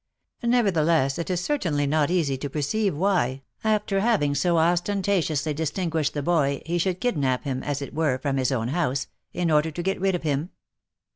Nevertheless it is certainly not easy to per ceive why, after having so ostentatiously distinguished the boy, he should kidnap him, as it were, from his own house, in order to get rid of him.